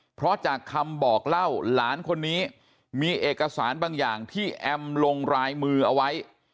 เพราะจากคำบอกเล่าหลานคนนี้มีเอกสารบางอย่างที่แอมลงลายมือเอาไว้